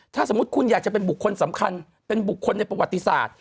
ถ้าสมมุติคุณอยากจะเป็นบุคคลสำคัญเป็นบุคคลในประวัติศาสตร์